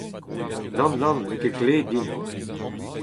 Nann… nann… n’eo ket dleet din.